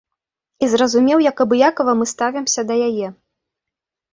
І зразумеў, як абыякава мы ставімся да яе.